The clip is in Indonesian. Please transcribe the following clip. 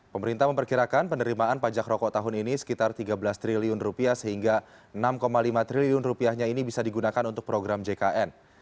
pemerintah memperkirakan penerimaan pajak rokok tahun ini sekitar tiga belas triliun rupiah sehingga enam lima triliun rupiahnya ini bisa digunakan untuk program jkn